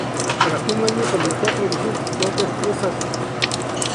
Tras un año comenzó a producir sus propias piezas.